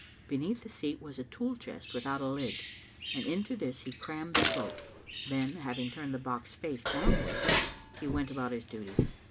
Beneath the seat was a tool chest without a lid, and into this he crammed the cloak. Then, having turned the box face downwards, he went about his duties.